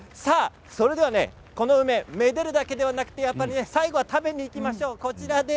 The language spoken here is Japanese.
それでは、この梅めでるだけではなく、やっぱり最後は食べに行きましょう。